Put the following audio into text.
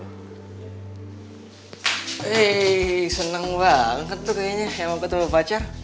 hei seneng banget tuh kayaknya ya mau ketemu pacar